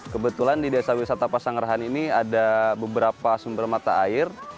kebetulan di desa wisata pasanggerahan ini ada beberapa sumber mata air